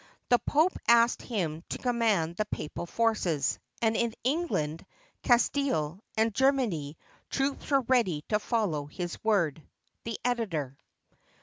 The Pope asked him to command the papal forces; and in England, Castile, and Germany, troops were ready to follow his word. The Editor.